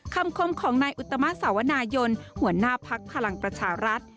คมของนายอุตมะสาวนายนหัวหน้าพักพลังประชารัฐ